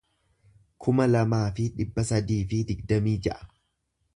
kuma lamaa fi dhibba sadii fi digdamii ja'a